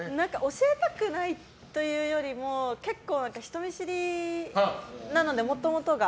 教えたくないというよりも結構、人見知りなのでもともとが。